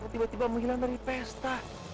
tiba tiba menghilang dari pesta